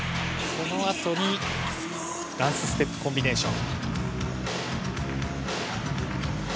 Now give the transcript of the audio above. この後ダンスステップコンビネーション。